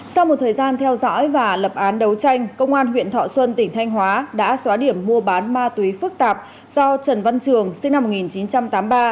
sau một thời gian theo dõi và lập án đấu tranh công an huyện thọ xuân tỉnh thanh hóa đã xóa điểm mua bán ma túy phức tạp do trần văn trường sinh năm một nghìn chín trăm tám mươi ba